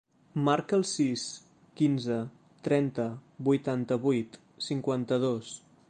Marca el sis, quinze, trenta, vuitanta-vuit, cinquanta-dos.